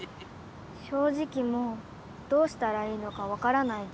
正直もうどうしたらいいのかわからないです。